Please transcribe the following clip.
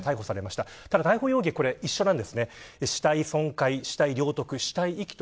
逮捕容疑は一緒です。